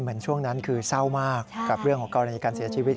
เหมือนช่วงนั้นคือเศร้ามากกับเรื่องของกรณีการเสียชีวิต